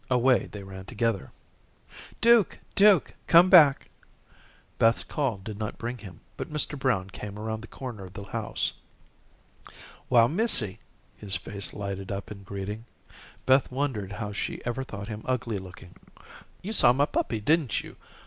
Away they ran together. "Duke, Duke, come back." Beth's call did not bring him, but Mr. Brown came around the corner of the house. "Why, missy," his face lighted up in greeting. Beth wondered how she ever thought him ugly looking. "You saw my puppy, didn't you?